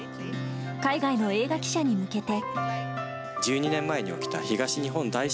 海外の映画記者に向けて。